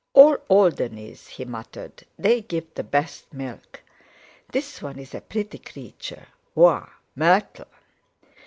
"All Alderneys," he muttered; "they give the best milk. This one's a pretty creature. Woa, Myrtle!"